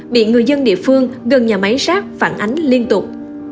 bị người dân địa phương gần nhà máy sát phản ánh liên tục